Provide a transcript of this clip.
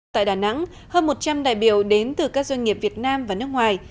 tại đà nẵng hơn một trăm linh đại biểu đến từ các doanh nghiệp việt nam và nước ngoài